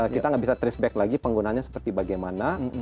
kita tidak bisa trace back lagi penggunaannya seperti bagaimana